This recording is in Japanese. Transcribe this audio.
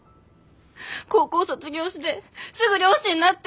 高校卒業してすぐ漁師になって。